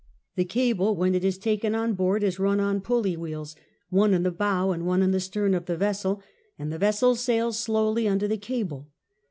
The cable, when it is taken on board, is run on pulley wheels, one in the bow and one in the stern of the vessel, and the vessel sails slowly under the cable.